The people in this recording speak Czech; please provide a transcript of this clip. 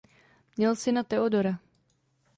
Měl syna Theodora.